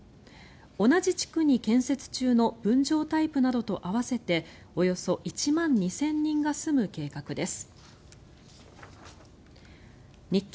同じ地区に建設中の分譲タイプなどと合わせておよそ１万２０００人が住む計画です。